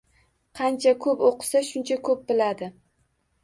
Qancha ko’p o’qisa, shuncha ko’p biladi.